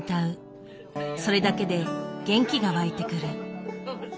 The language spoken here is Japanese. それだけで元気が湧いてくる。